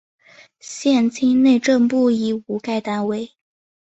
现今内政部已无该单位。